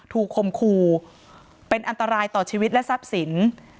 คมคู่เป็นอันตรายต่อชีวิตและทรัพย์สิน